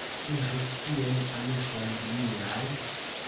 Iru tien amikoj miaj.